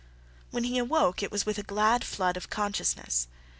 When he awoke, it was with a glad flood of consciousness.